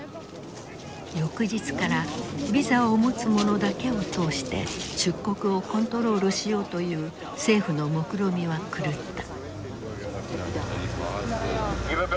翌日からビザを持つ者だけを通して出国をコントロールしようという政府のもくろみは狂った。